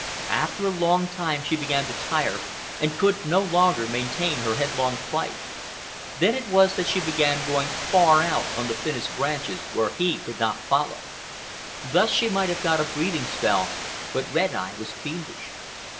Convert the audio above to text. After a long time she began to tire and could no longer maintain her headlong flight. Then it was that she began going far out on the thinnest branches, where he could not follow. Thus she might have got a breathing spell, but Red Eye was fiendish.